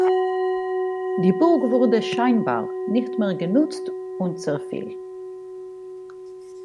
Die Burg wurde scheinbar nicht mehr genutzt und zerfiel.